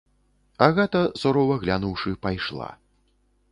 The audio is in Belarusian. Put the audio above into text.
Агата, сурова глянуўшы, пайшла.